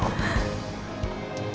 kalau sama anak kamu